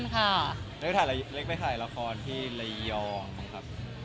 โหคนละจังหวัดเลยด้วยมั้งคะ